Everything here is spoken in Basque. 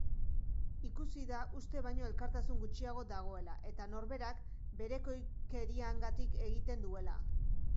Ikusi da uste baino elkartasun gutxiago dagoela eta norberak berekoikeriagatik ekiten duela.